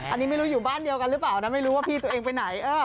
อันนี้ไม่รู้อยู่บ้านเดียวกันหรือเปล่านะไม่รู้ว่าพี่ตัวเองไปไหน